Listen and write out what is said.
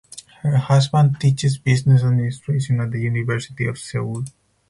Her husband teaches business administration at the University of Seoul.